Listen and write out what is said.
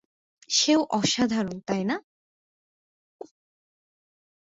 সেও অসাধারণ, তাই না?